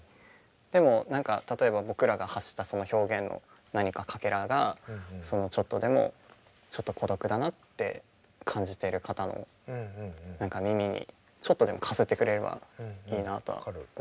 でも何か例えば僕らが発したその表現の何かかけらがそのちょっとでもちょっと孤独だなって感じてる方の耳にちょっとでもかすってくれればいいなとは思いますね。